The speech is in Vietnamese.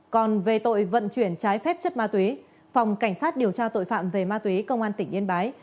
còn về tội vận chuyển trái phép chất ma túy phòng cảnh sát điều tra tội phạm về ma túy công an tỉnh yên bái